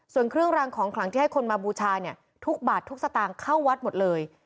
ส่วนเครื่องรางของขลังที่ให้คนมาบูชาเนี่ยทุกบาททุกสตางค์เข้าวัดหมดเลย